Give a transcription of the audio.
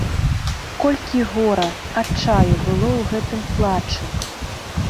Колькі гора, адчаю было ў гэтым плачы!